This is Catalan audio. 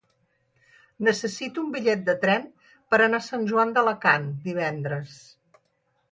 Necessito un bitllet de tren per anar a Sant Joan d'Alacant divendres.